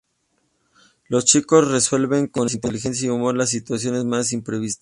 Los chicos resuelven con inteligencia y humor las situaciones más imprevistas.